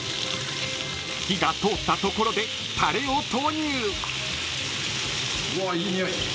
［火が通ったところでタレを投入］